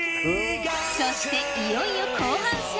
そしていよいよ後半戦。